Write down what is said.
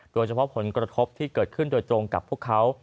โดยเฉพาะผลกระทบที่เกิดขึ้นโดยตรงกับพวกเขา